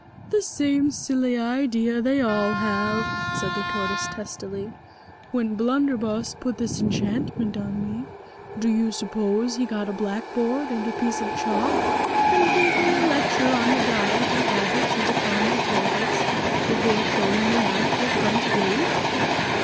"The same silly idea they all have," said the Tortoise testily. "When Blunderbus put this enchantment on me, do you suppose he got a blackboard and a piece of chalk and gave me a lecture on the diet and habits of the common tortoise, before showing me out of the front gate?